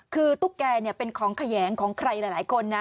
คือตุ๊กแกเป็นของแขยงของใครหลายคนนะ